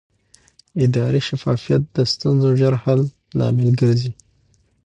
اداري شفافیت د ستونزو ژر حل لامل ګرځي